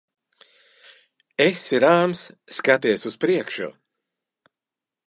Esi rāms. Skaties uz priekšu.